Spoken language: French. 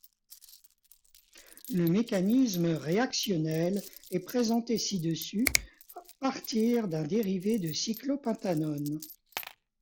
Le mécanisme réactionnel est présenté ci-dessus partir d'un dérivé de cyclopentanone.